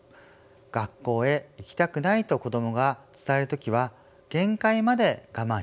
「学校へ行きたくない」と子どもが伝える時は限界まで我慢した時です。